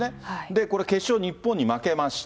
で、これ、決勝、日本に負けました。